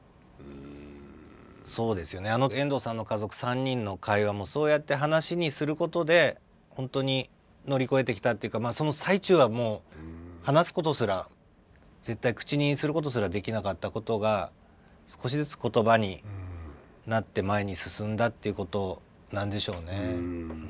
そうですよねあの遠藤さんの家族３人の会話もそうやって話にすることで本当に乗り越えてきたっていうかその最中はもう話すことすら絶対口にすることすらできなかったことが少しずつ言葉になって前に進んだっていうことなんでしょうね。